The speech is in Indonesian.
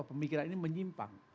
pemikiran ini menyimpang